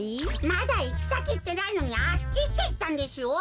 まだいきさきいってないのに「あっち」っていったんですよ。